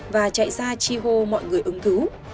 và chạy ra chi hô mọi người ứng cứu